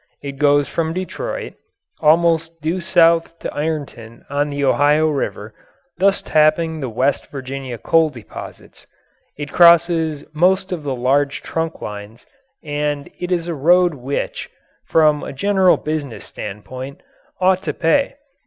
It goes from Detroit almost due south to Ironton on the Ohio River, thus tapping the West Virginia coal deposits. It crosses most of the large trunk lines and it is a road which, from a general business standpoint, ought to pay.